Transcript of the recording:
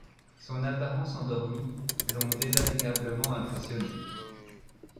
son apparence endormie, l’ont désagréablement impressionné.